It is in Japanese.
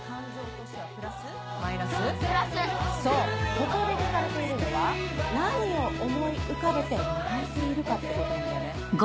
ここで聞かれているのは何を思い浮かべて泣いているかってことなんだよね。